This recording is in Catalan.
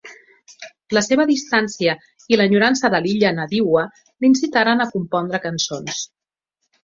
La seva distància i l'enyorança de l'illa nadiua l'incitaren a compondre cançons.